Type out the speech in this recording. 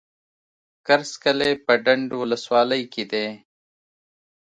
کرز کلی په ډنډ ولسوالۍ کي دی.